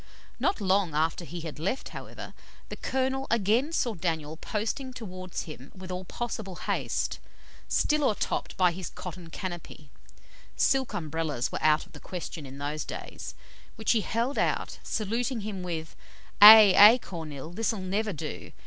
Not long after he had left, however, the colonel again saw Daniel posting towards him with all possible haste, still o'ertopped by his cotton canopy (silk Umbrellas were out of the question in those days), which he held out, saluting him with ' Hae, hae, Kornil, this'll never do!